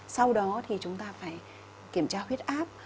sau đó thì chúng ta phải kiểm tra huyết áp